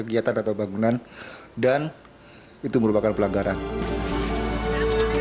itu bangunan dan itu merupakan pelanggaran